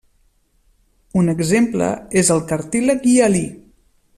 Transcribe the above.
Un exemple és el cartílag hialí.